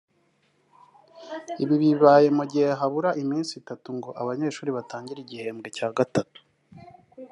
Ibi bibaye mu gihe haburaga iminsi itatu ngo abanyeshuri batangire igihembwe cya Gatatu